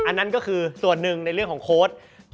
นั่นก็คือส่วน๑ในเรื่องของโค้ช